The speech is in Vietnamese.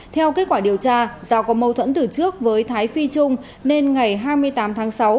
theo kết quả điều tra do có mâu thuẫn tử trước với thái phi trung nên ngày hai mươi tám tháng sáu